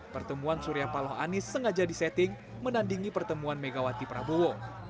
pertemuan surya paloh anies sengaja disetting menandingi pertemuan megawati prabowo